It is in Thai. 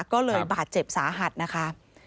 ก็เลยบาดเจ็บสาหัสนะคะ